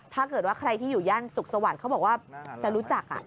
ถ้าเกิดว่าใครที่อยู่ย่านสุขสวัสดิ์เขาบอกว่าจะรู้จัก